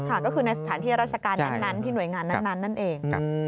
ค่ะก็คือในสถานที่ราชการนั้นที่หน่วยงานนั้นนั่นเอง